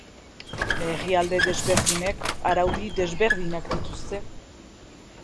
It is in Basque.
Herrialde desberdinek araudi desberdinak dituzte.